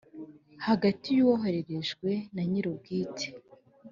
hagati y uwohererejwe na nyirubwite